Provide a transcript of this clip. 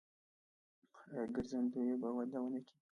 آیا ګرځندوی به وده ونه کړي؟